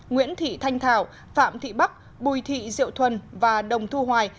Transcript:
nguyễn thị thanh thảo phạm thị bắc bùi thị diệu thuần và đồng thu hoài